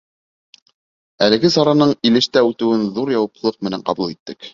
— Әлеге сараның Илештә үтеүен ҙур яуаплылыҡ менән ҡабул иттек.